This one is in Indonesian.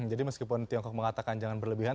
jadi meskipun tiongkok mengatakan jangan berlebihan